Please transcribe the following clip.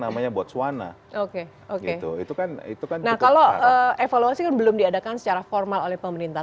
nah kalau evaluasi belum diadakan secara formal oleh pemerintah